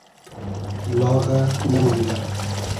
لاغۂ نئمئندۂ